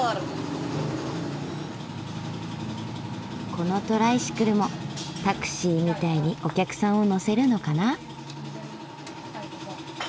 このトライシクルもタクシーみたいにお客さんを乗せるのかな？